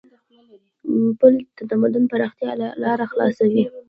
پل د تمدن د پراختیا لار خلاصوي.